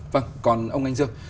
vâng còn ông anh dương